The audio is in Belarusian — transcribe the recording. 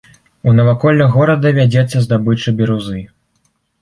У наваколлях горада вядзецца здабыча бірузы.